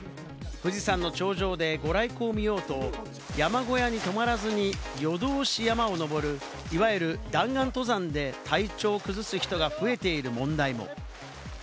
富士山の頂上でご来光を見ようと、山小屋に泊まらずに夜通し山を登る、いわゆる弾丸登山で体調を崩す人が増えている問題も。